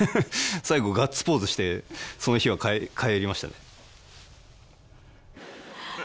最後ガッツポーズしてその日は帰りましたね。